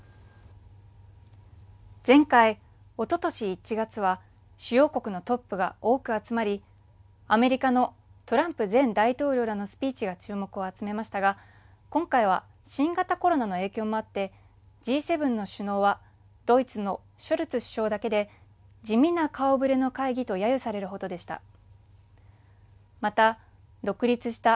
前回、おととし１月は主要国のトップが多く集まりアメリカのトランプ前大統領らのスピーチが注目を集めましたが今回は新型コロナの影響もあってＧ７の首脳はドイツのショルツ首相だけで地味な顔ぶれの会議とやゆされるほどでした。